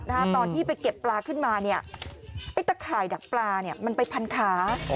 ตอนที่ไปเก็บปลาขึ้นมาตะข่ายดับปลามันไปพันขา